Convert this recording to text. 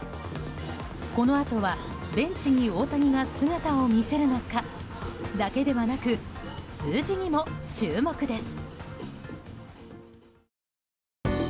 このあとはベンチに大谷が姿を見せるのかだけではなく数字にも注目です。